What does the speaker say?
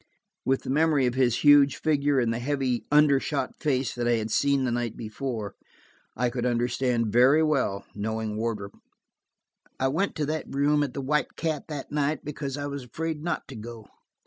With the memory of his huge figure and the heavy under shot face that I had seen the night before, I could understand very well, knowing Wardrop. "I went to that room at the White Cat that night, because I was afraid not to go.